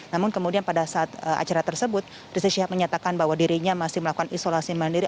namun kemudian pada saat acara tersebut rizik syihab menyatakan bahwa dirinya masih melakukan isolasi mandiri